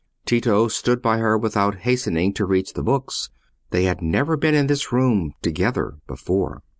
Tito stood by her without hastening to reach the books. They had never been in this room together before.